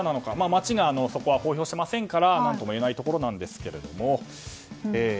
町が公表していないので何とも言えないところなんですが。